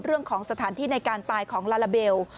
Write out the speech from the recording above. เรื่องของสถานที่ในการตายของลาลาเบล